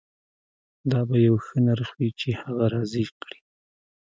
دا به یو ښه نرخ وي چې هغه راضي کړي